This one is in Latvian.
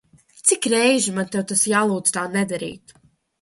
Cik reižu man tev tas jālūdz tā nedarīt?